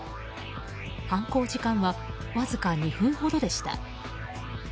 犯行時間はわずか２分ほどでした。